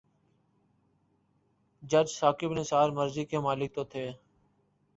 جج ثاقب نثار مرضی کے مالک تو تھے۔